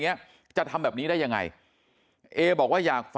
มันต้องการมาหาเรื่องมันจะมาแทงนะ